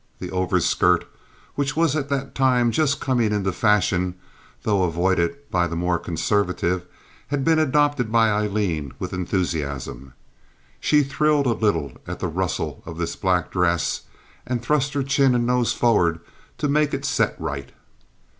The "overskirt," which was at that time just coming into fashion, though avoided by the more conservative, had been adopted by Aileen with enthusiasm. She thrilled a little at the rustle of this black dress, and thrust her chin and nose forward to make it set right.